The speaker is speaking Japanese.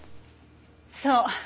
そう。